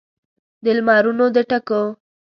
د لمرونو د ټکېو